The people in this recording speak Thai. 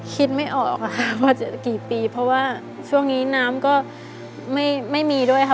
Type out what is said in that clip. คิดไม่ออกค่ะว่าจะกี่ปีเพราะว่าช่วงนี้น้ำก็ไม่มีด้วยค่ะ